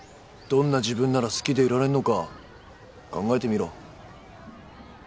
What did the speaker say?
どんな自分なら好きでいられんのか考えてみろ。